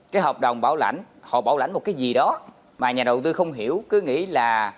cái hợp đồng bảo lãnh họ bảo lãnh một cái gì đó mà nhà đầu tư không hiểu cứ nghĩ là